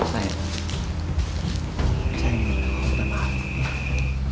sayang aku udah malu